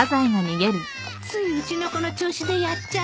ついうちの子の調子でやっちゃった。